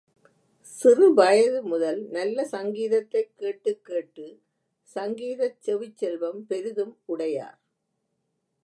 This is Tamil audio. சிறு வயது முதல் நல்ல சங்கீதத்தைக் கேட்டுக் கேட்டு, சங்கீதச் செவிச் செல்வம் பெரிதும் உடையார்.